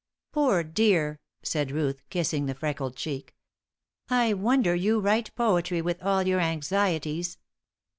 "Poor dear," said Ruth, kissing the freckled cheek. "I wonder you write poetry with all your anxieties."